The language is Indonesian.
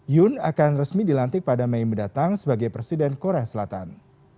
yun akan resmi dilantik pada mei mendatang sebagai presiden korea selatan